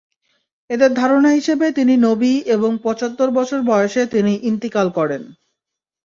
এদের ধারণা হিসেবে তিনি নবী এবং পঁচাত্তর বছর বয়সে তিনি ইন্তিকাল করেন।